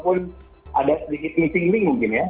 keinginan dari tim tim ini mungkin ya